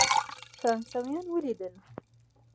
فرانسویان ولیدل.